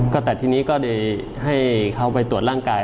ก็แต่ทีนี้ก็ได้ให้เขาไปตรวจร่างกาย